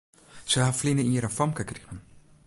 Sy ha ferline jier in famke krigen.